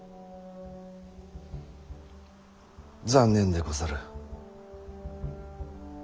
残念でござる。